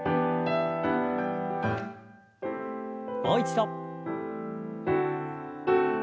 もう一度。